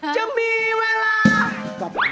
จะมีเวลากลับไป